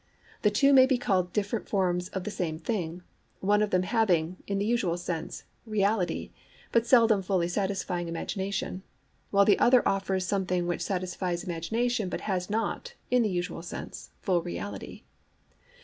The two may be called different forms of the same thing: one of them having (in the usual sense) reality, but seldom fully satisfying imagination; while the other offers something which satisfies imagination but has not (in the usual sense) full reality.